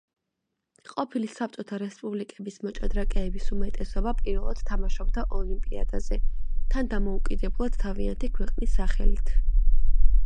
ყოფილი საბჭოთა რესპუბლიკების მოჭადრაკეების უმეტესობა პირველად თამაშობდა ოლიმპიადაზე, თან დამოუკიდებლად თავიანთი ქვეყნის სახელით.